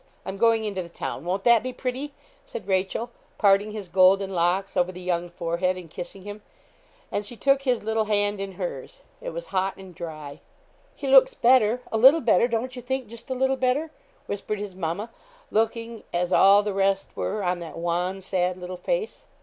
I'm going into the town; won't that be pretty?' said Rachel, parting his golden locks over the young forehead, and kissing him; and she took his little hand in hers it was hot and dry. 'He looks better a little better, don't you think; just a little better?' whispered his mamma, looking, as all the rest were, on that wan, sad little face.